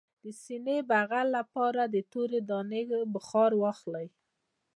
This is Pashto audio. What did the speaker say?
د سینې د بغل لپاره د تورې دانې بخار واخلئ